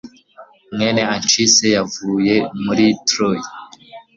Mwene Anchise wavuye muri Troy